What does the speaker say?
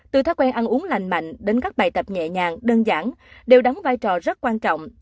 từ thói quen ăn uống lành mạnh đến các bài tập nhẹ nhàng đơn giản đều đóng vai trò rất quan trọng